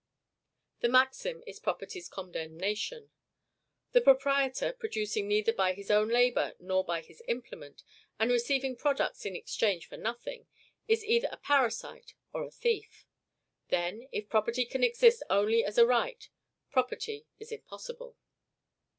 This maxim is property's condemnation. The proprietor, producing neither by his own labor nor by his implement, and receiving products in exchange for nothing, is either a parasite or a thief. Then, if property can exist only as a right, property is impossible.